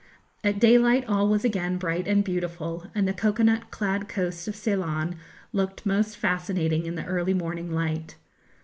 At daylight all was again bright and beautiful, and the cocoanut clad coast of Ceylon looked most fascinating in the early morning light.